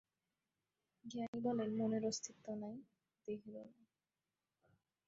জ্ঞানী বলেন, মনের অস্তিত্ব নাই, দেহেরও নাই।